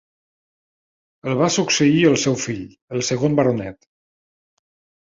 El va succeir el seu fill, el segon baronet.